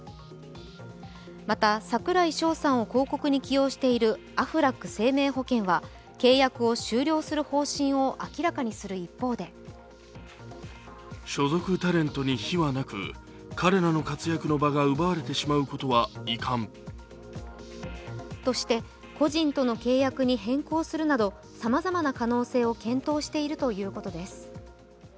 また、櫻井翔さんを広告に起用しているアフラック生命保険は契約を終了する方針を明らかにする一方でとして個人との契約に変更するなどさまざまな可能性を検討しているということです。